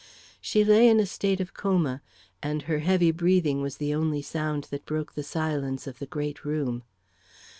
She lay in a state of coma, and her heavy breathing was the only sound that broke the silence of the great room.